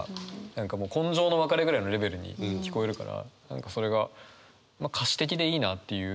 何かもう今生の別れぐらいのレベルに聞こえるから何かそれが歌詞的でいいなっていう。